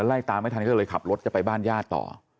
ไล่ตามไม่ทันก็เลยขับรถจะไปบ้านญาติต่อ